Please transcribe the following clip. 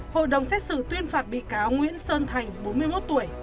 hội đồng xét xử tuyên phạt bị cáo nguyễn sơn thành bốn mươi một tuổi